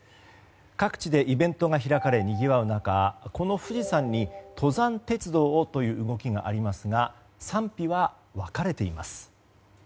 各地でイベントが開かれにぎわう中この富士山に登山鉄道をという動きがありますが賛否は分かれています。